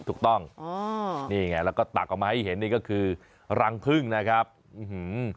ถูกต้องอ๋อนี่ไงแล้วก็ตักออกมาให้เห็นนี่ก็คือรังพึ่งนะครับอื้อหือ